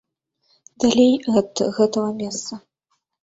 Далей ад гэтага месца!